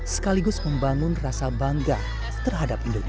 sekaligus membangun rasa bangga terhadap indonesia